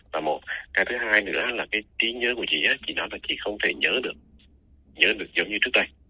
và một cái thứ hai nữa là cái trí nhớ của chị đó là chị không thể nhớ được nhớ được giống như trước đây